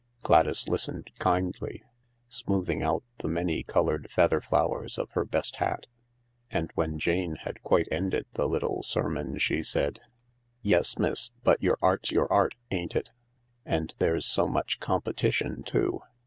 Gladys listened kindly, smoothing out the many coloured feather flowers of her best hat, and when Jane had quite ended the little sermon she said :" Yes, miss ; but your 'art's your 'art, ain't it ? And there's so much competition too.